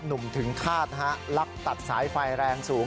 หนุ่มถึงคาดฮะลักตัดสายไฟแรงสูง